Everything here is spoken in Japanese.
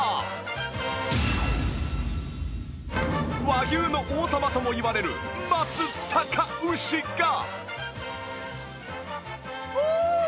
和牛の王様ともいわれる松阪牛が